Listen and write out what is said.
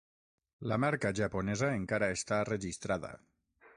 La marca japonesa encara està registrada.